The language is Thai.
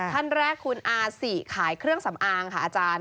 ท่านแรกคุณอาสิขายเครื่องสำอางค่ะอาจารย์